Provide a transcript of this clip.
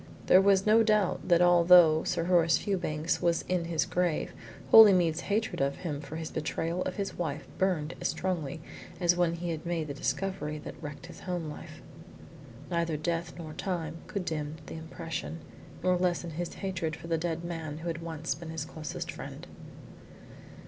There was no doubt that although Sir Horace Fewbanks was in his grave, Holymead's hatred of him for his betrayal of his wife burned as strongly as when he had made the discovery that wrecked his home life. Neither death nor time could dim the impression, nor lessen his hatred for the dead man who had once been his closest friend.